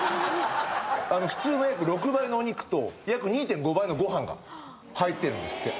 普通の約６倍のお肉と約２．５倍のご飯が入ってるんですって